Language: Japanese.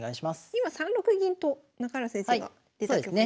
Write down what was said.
今３六銀と中原先生が出た局面。